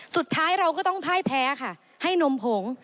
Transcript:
สุดท้ายเราก็ต้องพ่ายแพ้ค่ะให้นมผง